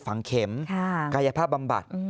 ฝังเข็มกายภาพบำบัด